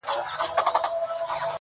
• راسه چي دي حسن ته جامې د غزل وا غوندم,